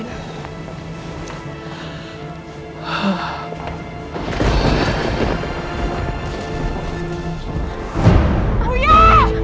tak di prisoners